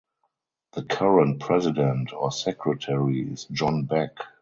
The current president (or secretary) is John Beck.